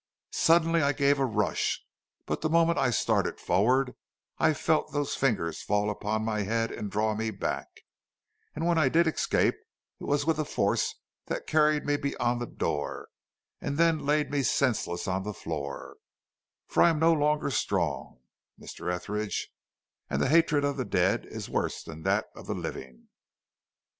Suddenly I gave a rush; but the moment I started forward I felt those fingers fall upon my head and draw me back, and when I did escape it was with a force that carried me beyond the door and then laid me senseless on the floor; for I am no longer strong, Mr. Etheridge, and the hatred of the dead is worse than that of the living."